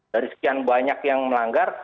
dari sekian banyak yang melanggar